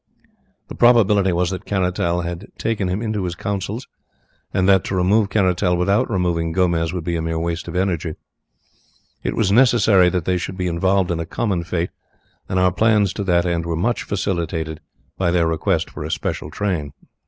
The probability was that Caratal had taken him into his counsel, and that to remove Caratal without removing Gomez would be a mere waste of energy. It was necessary that they should be involved in a common fate, and our plans to that end were much facilitated by their request for a special train.